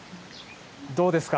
どうですか？